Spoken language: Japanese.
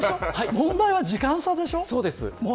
問題は時間差でしょう。